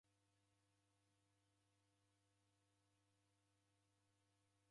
W'urighiti ghwa akili ghoko.